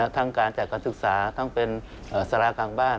ทั้งการจัดการศึกษาทั้งเป็นสารากลางบ้าน